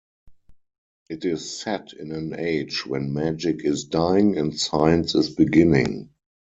It is set in an age when magic is dying and science is beginning.